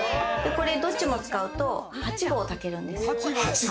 どっちも使うと８合たけるんです。